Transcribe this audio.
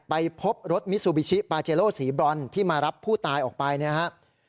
ไปพบรถมิซูบิชิปาเจโลสีบรอนที่มารับผู้ตายออกไปนะครับ